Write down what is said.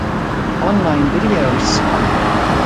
Online videos!